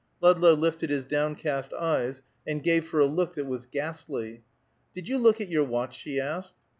Ludlow lifted his downcast eyes, and gave her a look that was ghastly. "Did you look at your watch?" she asked.